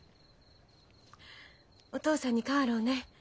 お父さんに代わろうね。